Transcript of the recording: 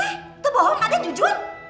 itu bohong aden jujur